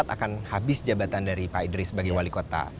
dua ribu dua puluh empat akan habis jabatan dari pak idris sebagai wali kota